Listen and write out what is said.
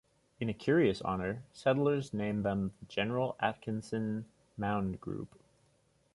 In a curious honor, settlers named them the General Atkinson Mound Group.